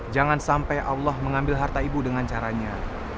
jangan sampai allah mengambil harta ibu dengan caranya